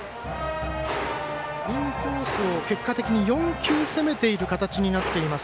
インコースを結果的に４球攻めている形になっています。